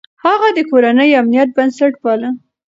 هغه د کورنۍ امنيت بنسټ باله.